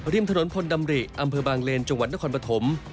ริมถนนพลดำริอำเภอบางเลนจังหวัดนครปฐม